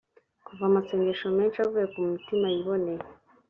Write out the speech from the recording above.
kuvuga amasengesho menshi avuye ku mutima yiboneye